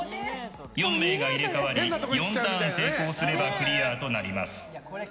４名が入れ替わり４ターン成功すればクリアとなります。